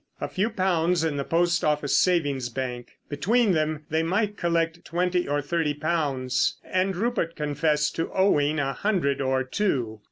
A few pounds in the Post Office Savings bank. Between them they might collect twenty or thirty pounds: and Rupert confessed to owing a hundred or two.